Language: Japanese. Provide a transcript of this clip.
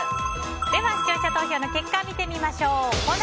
では視聴者投票の結果を見てみましょう。